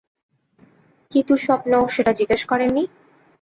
কী দুঃস্বপ্ন, সেটা জিজ্ঞেস করেন নি?